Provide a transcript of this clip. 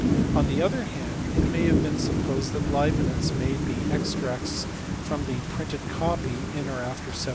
On the other hand it may be supposed that Leibnitz made the extracts from the printed copy in or after 1704.